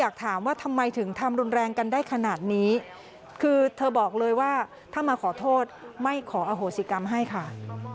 คือเธอบอกเลยว่าถ้ามาขอโทษไม่ขออโหสิกรรมให้ค่ะ